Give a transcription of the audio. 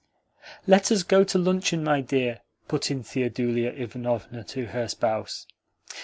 "Let us go to luncheon, my dear," put in Theodulia Ivanovna to her spouse.